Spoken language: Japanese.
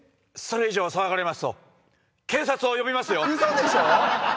それ以上騒がれますと警察を呼びますよウソでしょ！？